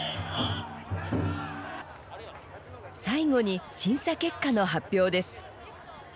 最後に審査結果の発表です。